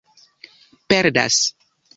perdas